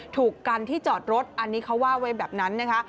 ถูกกันที่จอดรถอันนี้เขาว่าไว้แบบนั้นนะคะ